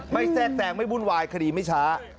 ไม่แจ้งแต่งไม่วุ่นวายคดีไม่ช้า